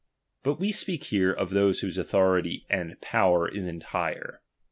But we speak here of those whose authority and power is entire.